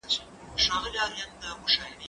زه اوږده وخت ښوونځی ځم